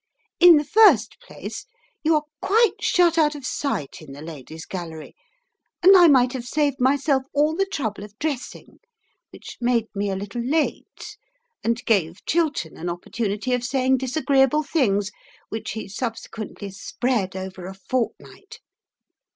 In the first place you are quite shut out of sight in the Ladies' Gallery, and I might have saved myself all the trouble of dressing, which made me a little late and gave Chiltern an opportunity of saying disagreeable things which he subsequently spread over a fortnight.